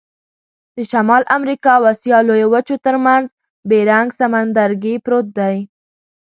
د شمال امریکا او آسیا لویو وچو ترمنځ بیرنګ سمندرګي پروت دی.